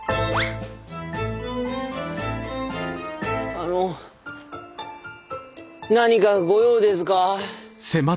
あの何かご用ですか？